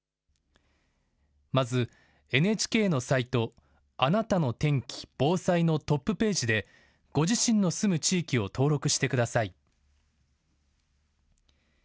まず、ＮＨＫのサイトあなたの天気・防災のトップページでご自身の住む地域を登録してください。